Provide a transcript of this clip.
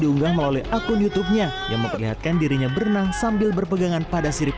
diunggah melalui akun youtubenya yang memperlihatkan dirinya berenang sambil berpegangan pada sirip